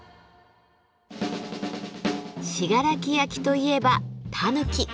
信楽焼といえばたぬき。